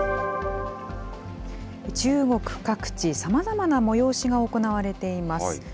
中国各地、さまざまな催しが行われています。